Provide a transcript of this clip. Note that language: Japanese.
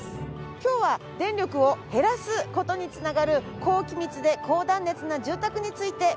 今日は電力をへらす事につながる高気密で高断熱な住宅について学びます。